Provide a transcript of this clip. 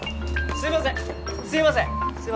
すいません